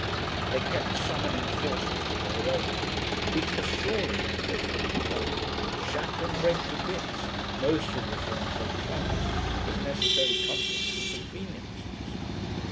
They kept summoning forces to their aid which must surely, if they fully came, shatter and break to bits most of the things they clung to as necessary comforts and conveniences.